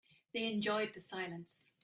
They enjoyed the silence.